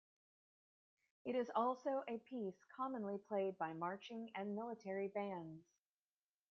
It is also a piece commonly played by marching and military bands.